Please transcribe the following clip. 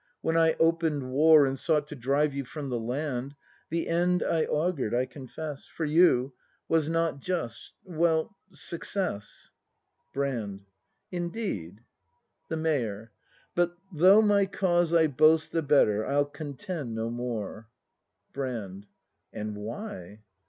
When I open'd war. And sought to drive you from the land. The end I augur'd, I confess, For you, was not just — well — success. Brand. Indeed The Mayor. But though my cause I boast The better, I'll contend no more. Brand. And why?